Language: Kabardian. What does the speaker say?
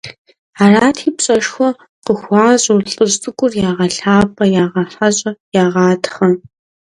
Арати, пщӀэшхуэ къыхуащӀу, лӀыжь цӀыкӀур ягъэлъапӀэ, ягъэхьэщӀэ, ягъатхъэ.